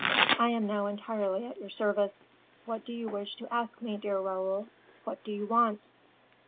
I am now entirely at your service. What do you wish to ask me, dear Raoul? What do you want?"